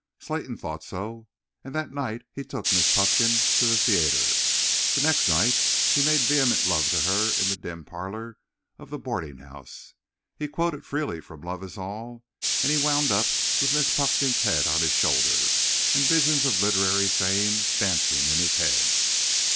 Slayton thought so. And that night he took Miss Puffkin to the theatre. The next night he made vehement love to her in the dim parlour of the boarding house. He quoted freely from "Love Is All"; and he wound up with Miss Puffkin's head on his shoulder, and visions of literary fame dancing in his head.